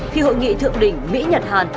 khi hội nghị thượng đỉnh mỹ nhật hàn